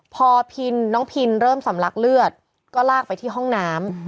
พอพินน้องพินเริ่มสำลักเลือดก็ลากไปที่ห้องน้ำ